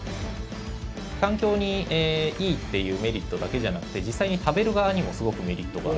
環境にいいというメリットだけじゃなくて実際に食べる側にもすごくメリットがある。